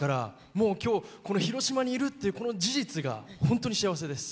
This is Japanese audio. もう今日この広島にいるっていうこの事実がほんとに幸せです。